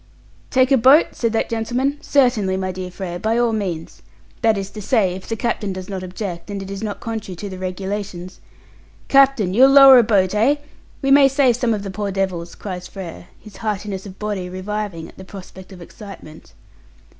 "Take a boat?" said that gentleman. "Certainly, my dear Frere, by all means. That is to say, if the captain does not object, and it is not contrary to the Regulations." "Captain, you'll lower a boat, eh? We may save some of the poor devils," cries Frere, his heartiness of body reviving at the prospect of excitement.